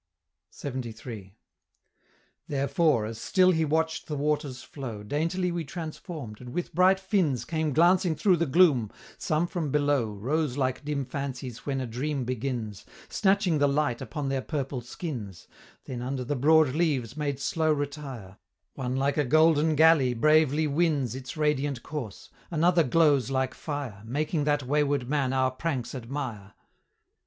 LXXIII. "Therefore, as still he watch'd the water's flow, Daintily we transform'd, and with bright fins Came glancing through the gloom; some from below Rose like dim fancies when a dream begins, Snatching the light upon their purple skins; Then under the broad leaves made slow retire: One like a golden galley bravely wins Its radiant course, another glows like fire, Making that wayward man our pranks admire."